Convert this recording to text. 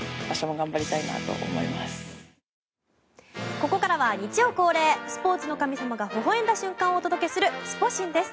ここからは日曜恒例スポーツの神様がほほ笑んだ瞬間をお届けするスポ神です。